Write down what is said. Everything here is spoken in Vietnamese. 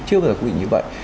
chưa bao giờ quy định như vậy